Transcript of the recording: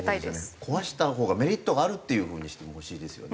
壊したほうがメリットがあるっていう風にしてほしいですよね。